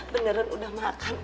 beneran udah makan